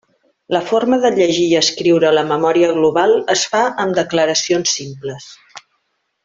La forma de llegir i escriure a la memòria global es fa amb declaracions simples.